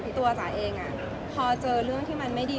ซึ่งตอนนี้ในตัวตัวเองพอเจอเรื่องที่มันไม่ดี